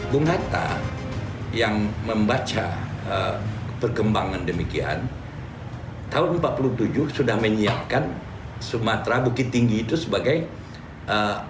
bung hatta yang membaca perkembangan demikian tahun seribu sembilan ratus empat puluh tujuh sudah menyiapkan sumatera bukit tinggi itu sebagai ee